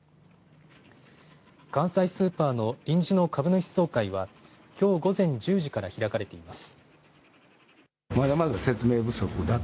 関西スーパーの臨時の株主総会はきょう午前１０時から開かれています。